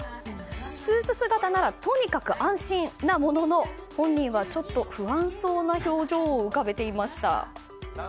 スーツ姿ならとにかく安心なものの本人はちょっと不安そうな表情を浮かべていました。